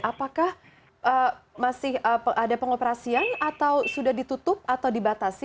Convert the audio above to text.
apakah masih ada pengoperasian atau sudah ditutup atau dibatasi